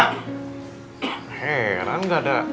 heran gak ada